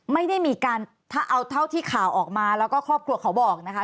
ไม่ได้มีการถ้าเอาเท่าที่ข่าวออกมาแล้วก็ครอบครัวเขาบอกนะคะ